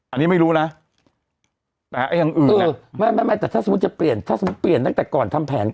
อันนี้ไม่รู้นะแต่อย่างอื่นเออไม่ไม่แต่ถ้าสมมุติจะเปลี่ยนถ้าสมมุติเปลี่ยนตั้งแต่ก่อนทำแผน